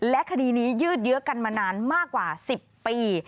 และคดีนี้ยืดเยอะกันมานานมากกว่า๑๐ปี